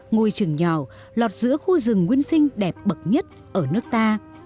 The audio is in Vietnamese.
ngôi trường nhỏ lọt giữa khu rừng nguyên sinh đẹp bậc nhất ở nước ta